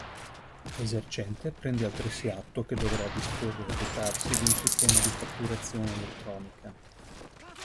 L'esercente prende altresì atto che dovrà disporre o dotarsi di un sistema di fatturazione elettronica.